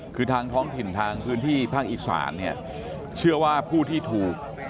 คือทางท้องถิ่นทางพื้นที่ภาคอีสานเนี่ยเชื่อว่าผู้ที่ถูก